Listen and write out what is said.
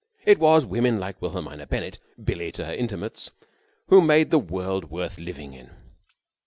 It was women like Wilhelmina Bennett Billie to her intimates who made the world worth living in.